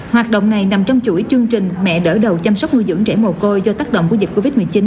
hoạt động này nằm trong chuỗi chương trình mẹ đỡ đầu chăm sóc nuôi dưỡng trẻ mồ côi do tác động của dịch covid một mươi chín